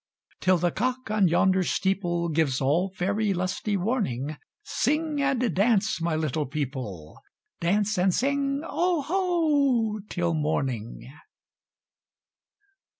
Till the cock on yonder steepleGives all faery lusty warning, Sing and dance, my little people,—Dance and sing "Oho" till morning!